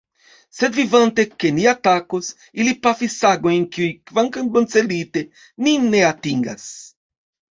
Sed vidante, ke ni atakos, ili pafis sagojn, kiuj kvankam boncelite, nin ne atingas.